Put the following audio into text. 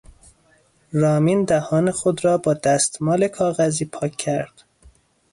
رامین دهان خود را با دستمال کاغذی پاک کرد.